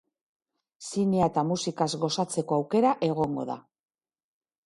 Zinea eta musikaz gozatzeko aukera egongo da.